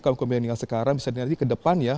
kalau kemudian tinggal sekarang bisa dinyatakan ke depan ya